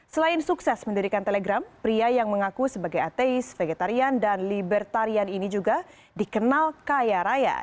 selain sukses mendirikan telegram pria yang mengaku sebagai ateis vegetarian dan libertarian ini juga dikenal kaya raya